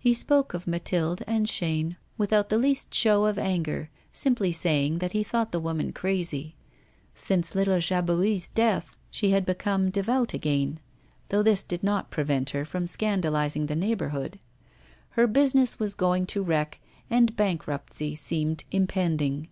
He spoke of Mathilde and Chaîne without the least show of anger, simply saying that he thought the woman crazy. Since little Jabouille's death she had become devout again, though this did not prevent her from scandalising the neighbourhood. Her business was going to wreck, and bankruptcy seemed impending.